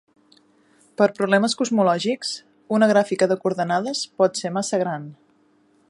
Per problemes cosmològics, una gràfica de coordenades pot ser massa gran.